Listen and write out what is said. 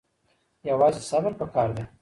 یوازې صبر پکار دی.